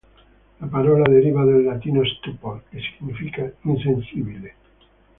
La parola deriva dal latino "stupor" che significa "insensibile".